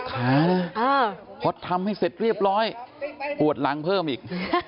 ขาเลยพอทำให้เสร็จเรียบร้อยปวดหลังเพิ่มอีก